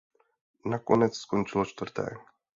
Nakonec skončilo čtvrté.